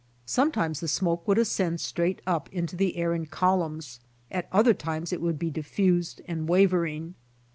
Sometimes the smoke would ascend straight up into the air in columns, at other times it would be diffused and* wavering.